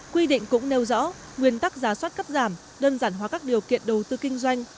quy định cũng nêu rõ nguyên tắc giả soát cắt giảm đơn giản hóa các điều kiện đầu tư kinh doanh